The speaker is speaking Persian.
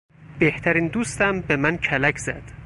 بهترین دوستم به من کلک زد.